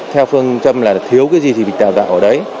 theo phương châm là thiếu cái gì thì mình đào tạo ở đấy